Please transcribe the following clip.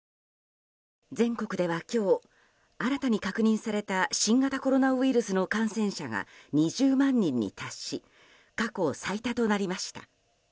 全国では今日、新たに確認された新型コロナウイルスの感染者が２０万人に達し過去最多となりました。